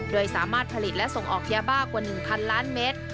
โดยสามารถผลิตและส่งออกยาบ้ากว่า๑๐๐ล้านเมตร